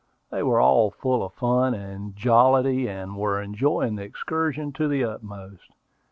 They were all full of fun and jollity, and were enjoying the excursion to the utmost.